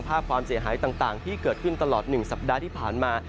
ความเสียหายต่างที่เกิดขึ้นตลอด๑สัปดาห์ที่ผ่านมา